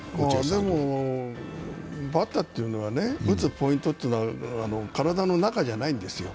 でも、バッターっていうのは打つポイントというのは体の中じゃないんですよ。